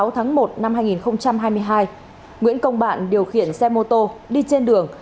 tháng một năm hai nghìn hai mươi hai nguyễn công bạn điều khiển xe mô tô đi trên đường